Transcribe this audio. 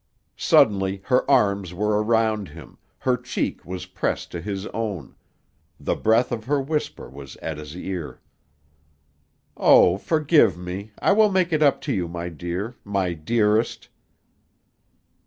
Suddenly her arms were around him; her cheek was pressed to his own; the breath of her whisper was at his ear. "Oh, forgive me! I will make it up to you, my dear; my dearest!"